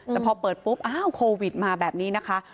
แต่พอเปิดปุ๊บอ้าวโควิดมาแบบนี้นะคะ